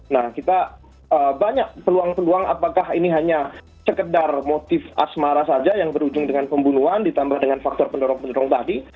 nah kita banyak peluang peluang apakah ini hanya sekedar motif asmara saja yang berujung dengan pembunuhan ditambah dengan faktor pendorong pendorong tadi